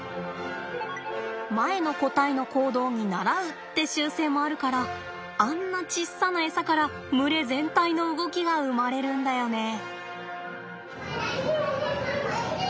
前の個体の行動に倣うって習性もあるからあんなちっさなエサから群れ全体の動きが生まれるんだよね。